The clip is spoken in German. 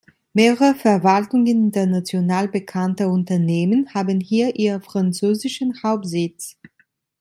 Mehrere Verwaltungen international bekannter Unternehmen haben hier ihren französischen Hauptsitz.